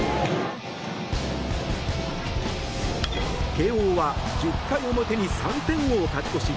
慶應は１０回表に３点を勝ち越し